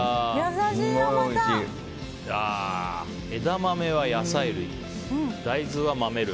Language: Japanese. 枝豆は野菜類大豆は豆類。